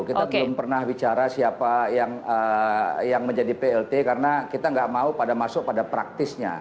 kita belum pernah bicara siapa yang menjadi plt karena kita nggak mau pada masuk pada praktisnya